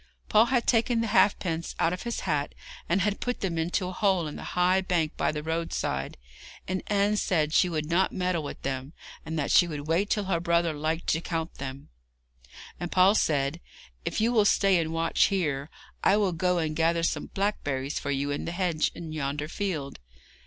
Paul had taken the halfpence out of his hat, and he had put them into a hole in the high bank by the roadside, and Anne said she would not meddle with them, and that she would wait till her brother liked to count them; and Paul said: 'If you will stay and watch here, I will go and gather some blackberries for you in the hedge in yonder field.